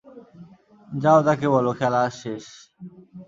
যাও তাকে বল, খেলা আজ শেষ।